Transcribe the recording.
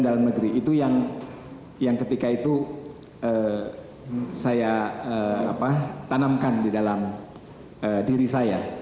dalam negeri itu yang ketika itu saya tanamkan di dalam diri saya